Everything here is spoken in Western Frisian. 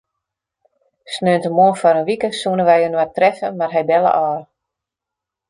Sneontemoarn foar in wike soene wy inoar treffe, mar hy belle ôf.